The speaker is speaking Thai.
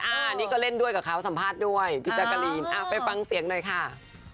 อันนี้ก็เล่นด้วยกับเขาสัมภาษณ์ด้วยพี่แจ๊กกะลีนไปฟังเสียงหน่อยค่ะ